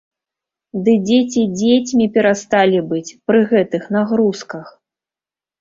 Ды дзеці дзецьмі перасталі быць пры гэтых нагрузках!